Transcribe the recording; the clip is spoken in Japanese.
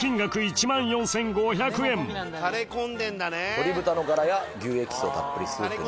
鶏豚のガラや牛エキスをたっぷりスープに。